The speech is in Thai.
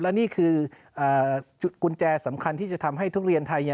และนี่คือกุญแจสำคัญที่จะทำให้ทุเรียนไทย